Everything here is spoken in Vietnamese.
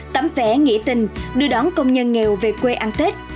tắm vẽ nghĩa tình đưa đón công nhân nghèo về quê ăn tết